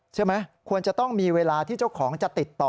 ควรจะต้องมีเวลาที่เจ้าของจะติดต่อ